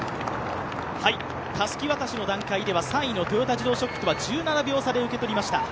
たすき渡しの段階では３位の豊田自動織機とは１７秒差で受け取りました。